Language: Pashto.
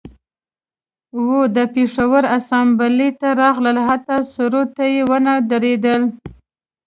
و د پیښور اسامبلۍ ته راغلل حتی سرود ته یې ونه دریدل